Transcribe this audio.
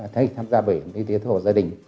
thay tham gia bảo hiểm y tế thu hồ gia đình